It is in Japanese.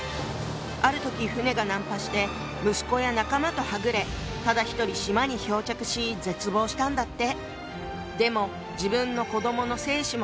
ある時船が難破して息子や仲間とはぐれただ一人島に漂着し絶望したんだって。